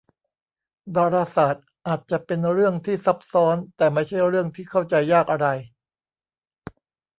ดาราศาสตร์อาจจะเป็นเรื่องที่ซับซ้อนแต่ไม่ใช่เรื่องที่เข้าใจยากอะไร